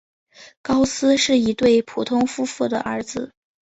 高斯是一对普通夫妇的儿子。